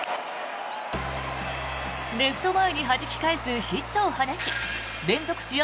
レフト前にはじき返すヒットを放ち連続試合